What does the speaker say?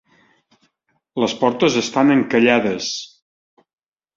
Les portes estan encallades.